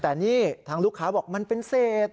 แต่นี่ทางลูกค้าบอกมันเป็นเศษ